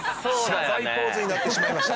謝罪ポーズになってしまいました。